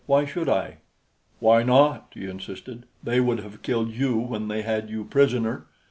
"Why should I?" "Why not?" he insisted. "They would have killed you when they had you prisoner.